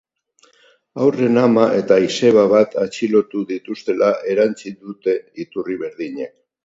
Haurren ama eta izeba bat atxilotu dituztela erantsi dute iturri berdinek.